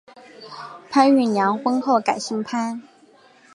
潘玉良婚后改姓潘。